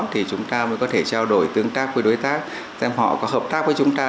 thì chúng ta mới có thể trao đổi tương tác với đối tác xem họ có hợp tác với chúng ta